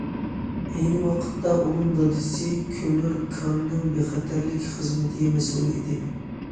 ئەينى ۋاقىتتا، ئۇنىڭ دادىسى كۆمۈر كاننىڭ بىخەتەرلىك خىزمىتىگە مەسئۇل ئىدى.